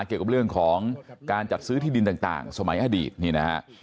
เกี่ยวกับเรื่องของการจัดซื้อที่ดินต่างสมัยอดีตนี่นะฮะ